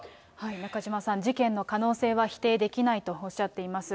中島さん、事件の可能性は否定できないとおっしゃっています。